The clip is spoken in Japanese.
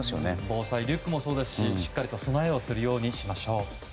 防災リュックもそうですししっかりと備えをするようにしましょう。